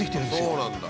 そうなんだ。